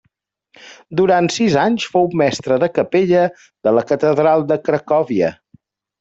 Durant sis anys fou mestre de capella de la catedral de Cracòvia.